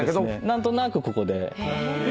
何となくここで。